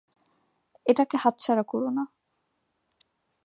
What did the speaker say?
এটাকে হাতছাড়া করো না।